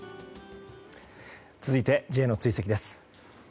続いて、Ｊの追跡です。